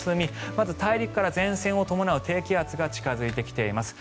まず大陸から前線を伴う低気圧が近付いてきています。